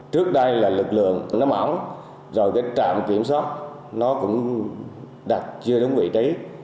trước đây là lực lượng nó mỏng rồi cái trạm kiểm soát nó cũng đặt chưa đúng vị trí